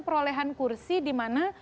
perolehan kursi dimana